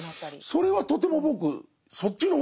それはとても僕そっちの方がいい形。